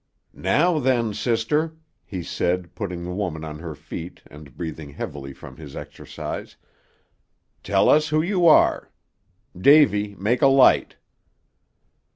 "Now then, sister," he said, putting the woman on her feet, and breathing heavily from his exercise, "Tell us who you are. Davy, make a light."